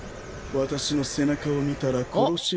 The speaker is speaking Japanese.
私の背中を見たら殺し。